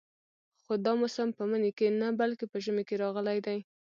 خو دا موسم په مني کې نه بلکې په ژمي کې راغلی دی.